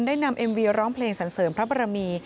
นำเอ็มวีร้องเพลงสรรเสริมพระบรมี